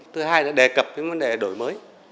thứ hai là đề cập đến vấn đề đổi mới